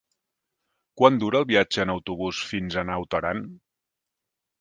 Quant dura el viatge en autobús fins a Naut Aran?